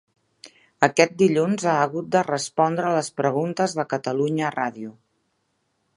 Aquest dilluns ha hagut de respondre les preguntes de Catalunya Ràdio.